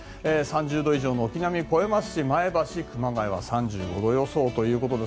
３０度以上を軒並み超えますし前橋、熊谷は３５度予想です。